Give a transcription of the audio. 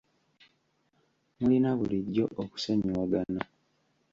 Mulina bulijjo okusonyiwagana.